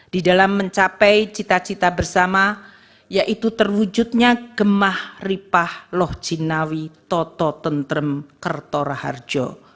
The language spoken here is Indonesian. di dalam mencapai cita cita bersama yaitu terwujudnya gemah ripah loh jinawi toto tentrem kertora harjo